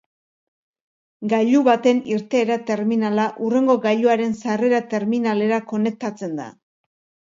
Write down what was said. Gailu baten irteera-terminala hurrengo gailuaren sarrera-terminalera konektatzen da.